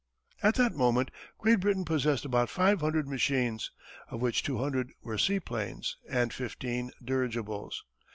At that moment Great Britain possessed about five hundred machines, of which two hundred were seaplanes, and fifteen dirigibles.